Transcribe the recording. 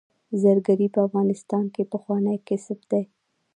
زرګري په افغانستان کې پخوانی کسب دی